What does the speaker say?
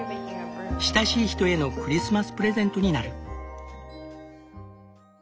親しい人へのクリスマスプレゼントになる。